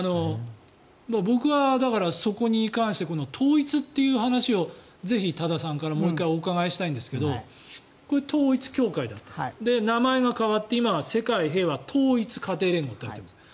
僕はだから、そこに関して統一という話をぜひ、多田さんからもう１回お伺いしたいんですがこれ、統一教会だと。名前が変わって今は世界平和統一家庭連合と言っています。